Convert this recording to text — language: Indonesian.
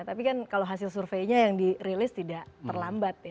tapi kan kalau hasil surveinya yang dirilis tidak terlambat ya